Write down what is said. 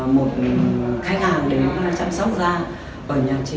một khách hàng đến chăm sóc da ở nhà chị